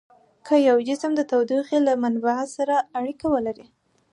که یو جسم د تودوخې له منبع سره اړیکه ولري.